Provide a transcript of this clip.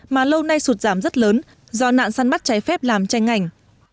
mà lâu nay sụt giảm rất lớn do nạn săn bắt cháy phép làm tranh ảnh